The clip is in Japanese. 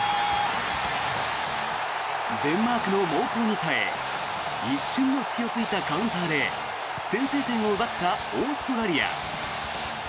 デンマークの猛攻に耐え一瞬の隙を突いたカウンターで先制点を奪ったオーストラリア。